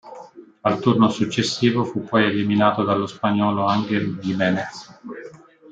Al turno successivo, fu poi eliminato dallo spagnolo Ángel Giménez.